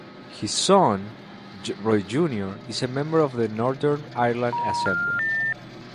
His son, Roy Junior is a member of the Northern Ireland Assembly.